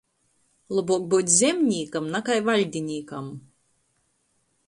Lobuok byut zemnīkam nakai vaļdinīkam.